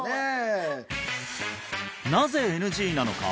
なぜＮＧなのか？